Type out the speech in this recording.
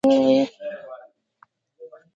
ایا د دم ګر ته تللي وئ؟